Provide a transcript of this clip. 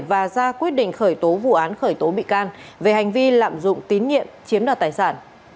và ra quyết định khởi tố vụ án khởi tố bị can về hành vi lạm dụng tín nhiệm chiếm đoạt tài sản